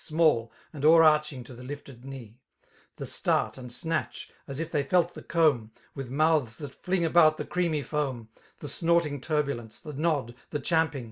Small, and o^eracching to the lifted knee. 16 The start and snatch, as if they felt the comb. With mouths that fling about the creamy foam> The snorting turbulence, the nod, the champing.